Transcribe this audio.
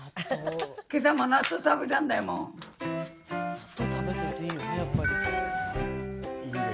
納豆食べてるといいよねやっぱり。